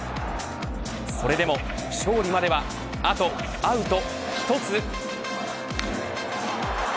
それでも勝利まではあとアウト１つ。